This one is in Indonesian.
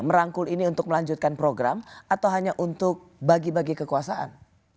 merangkul ini untuk melanjutkan program atau hanya untuk bagi bagi kekuasaan